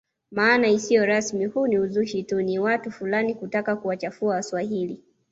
Maana isiyo rasmi huu ni uzushi tu wa watu fulani kutaka kuwachafua waswahili